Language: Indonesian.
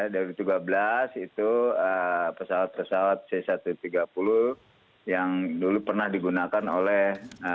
dari tiga belas itu pesawat pesawat c satu ratus tiga puluh yang dulu pernah digunakan oleh